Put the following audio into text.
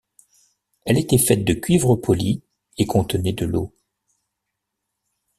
Elle était faite de cuivre poli et contenait de l’eau.